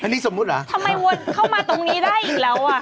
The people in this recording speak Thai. นี่สมมุติเหรอทำไมเข้ามาตรงนี้ได้อีกแล้ว